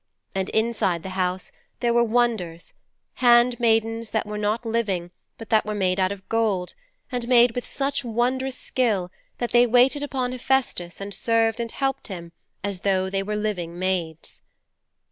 And inside the house there were wonders handmaidens that were not living but that were made out of gold and made with such wondrous skill that they waited upon Hephaistos and served and helped him as though they were living maids.'